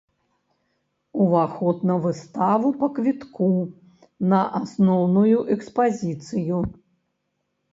Уваход на выставу па квітку на асноўную экспазіцыю.